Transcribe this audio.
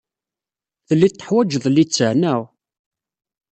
Tellid teḥwajed littseɛ, naɣ?